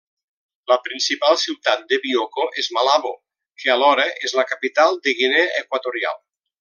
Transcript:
La principal ciutat de Bioko és Malabo, que alhora és la capital de Guinea Equatorial.